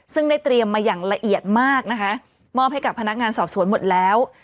ซึ่งได้เตรียมมาอย่างละเอียดมากนะคะมอบให้กับพนักงานสอบสวนหมดแล้ว